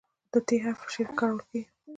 د "ت" حرف په شعر کې کارول کیږي.